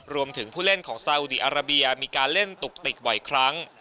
ผู้เล่นของซาอุดีอาราเบียมีการเล่นตุกติกบ่อยครั้ง